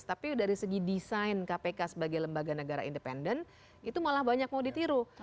tapi dari segi desain kpk sebagai lembaga negara independen itu malah banyak mau ditiru